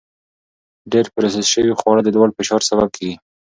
ډېر پروسس شوي خواړه د لوړ فشار سبب کېږي.